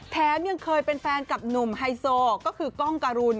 แถมยังเคยเป็นแฟนกับหนุ่มไฮโซก็คือกล้องการุณ